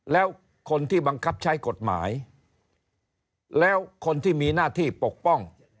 แล้วคนที่บังคับใช้กฎหมายแล้วคนที่มีหน้าที่ปกป้อง